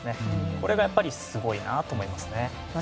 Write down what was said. これが、やっぱりすごいなと思いますね。